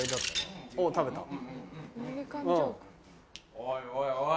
おいおいおい！